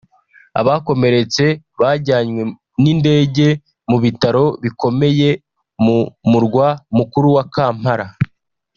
abakomeretse bajyanwe n’indege mu bitaro bikomeye mu murwa mukuru wa Kampala